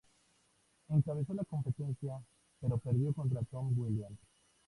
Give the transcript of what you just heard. Encabezó la competencia, pero perdió contra Tom Williams.